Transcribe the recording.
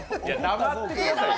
黙ってください。